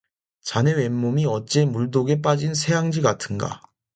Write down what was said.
자네 왼 몸이 어째 물독에 빠진 새앙쥐 같은가.